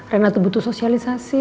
reina tuh butuh sosialisasi